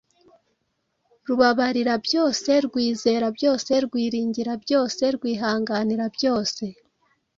rubabarira byose, rwizera byose, rwiringira byose, rwihanganira byose.”